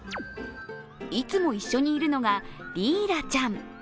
いつも一緒にいるのがリーラちゃん。